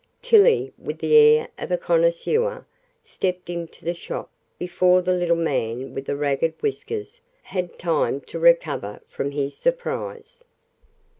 Tillie, with the air of a connoisseur, stepped into the shop before the little man with the ragged whiskers had time to recover from his surprise.